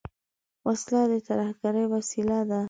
وسله د ترهګرۍ وسیله ده